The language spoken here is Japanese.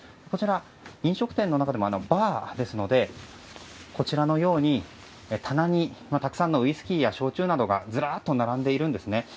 こちら、飲食店の中でもバーですのでこちらのように棚にたくさんのウイスキーや焼酎などずらーっと並んでいるんですね。